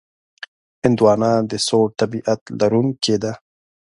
هندوانه د سوړ طبیعت لرونکې ده.